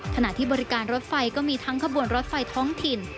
ขณะที่บริการรถไฟก็มีทั้งขบวนรถไฟท้องถิ่น